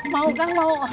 mau kang mau